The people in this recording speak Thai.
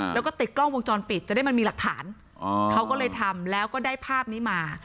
แล้วก็ติดกล้องวงจรปิดจะได้มันมีหลักฐานเขาก็เลยทำแล้วก็ได้ภาพนี้มา